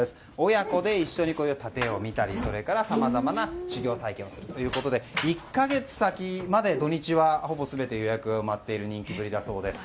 親子で一緒に殺陣を見たりさまざまな修業体験をするということで１か月先まで土日はほぼ全て予約が埋まっている人気ぶりだということです。